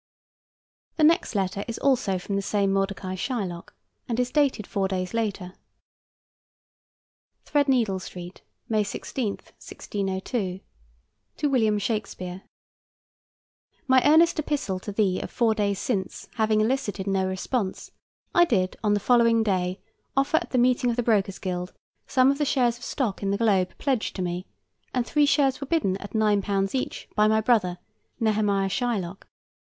The next letter is also from the same Mordecai Shylock, and is dated four days later. THREADNEEDLE STREET, May 16, 1602. To WILLIAM SHAKESPEARE: My earnest epistle to thee of four days since having elicited no response, I did on the following day offer at the meeting of the Brokers' Guild some of the shares of the stock in the Globe pledged to me, and three shares were bidden at £9 each by my brother, Nehemiah Shylock.